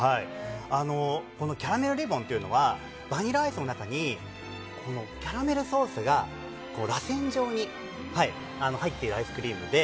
キャラメルリボンというのはバニラアイスの中にキャラメルソースがらせん状に入っているアイスクリームで。